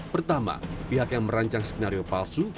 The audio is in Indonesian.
pertama pihak yang merancang skenario palsu